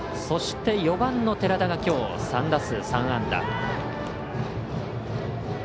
そして４番の寺田がきょう、３打数３安打。